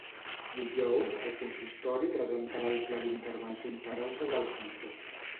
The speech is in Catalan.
Dijous, el consistori presentarà el pla d'intervenció integral sobre els manters.